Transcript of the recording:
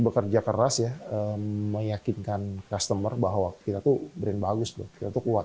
bekerja keras ya meyakinkan customer bahwa kita tuh brand bagus tuh kita tuh kuat